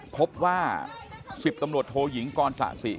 พบว่า๑๐ตำรวจโทยิงกรสะสิ